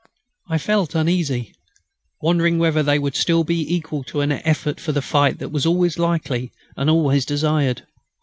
I felt uneasy, wondering whether they would still be equal to an effort for the fight that was always likely and always desired.